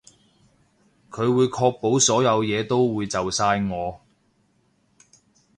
佢會確保所有嘢都會就晒我